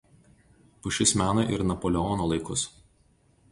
Pušis mena ir Napoleono laikus.